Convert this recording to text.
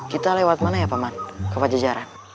kita lewat mana ya paman ke pajajaran